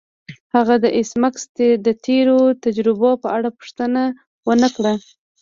هغه د ایس میکس د تیرو تجربو په اړه پوښتنه ونه کړه